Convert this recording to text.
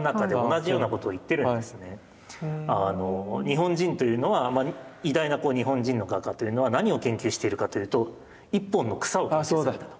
日本人というのは偉大な日本人の画家というのは何を研究しているかというと一本の草を研究するんだと。